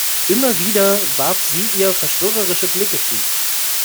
Immer wieder warf sie ihr verschwörerische Blicke zu.